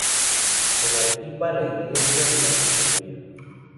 En Arequipa la Iglesia de la Compañía.